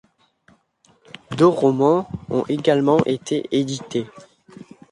Deux romans ont également été édités.